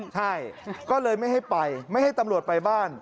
ใช่ก็เลยไม่ให้ไปไม่ให้ตำรวจไปบ้าน